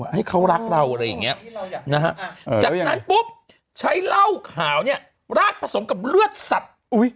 ให้เขารักเราอะไรอย่างนี้นะฮะจากนั้นปุ๊บใช้เหล้าขาวเนี่ยราดผสมกับเลือดสัตว์